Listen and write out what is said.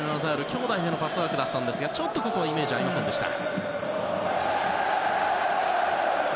兄弟でのパスワークだったんですがちょっとイメージが合いませんでした。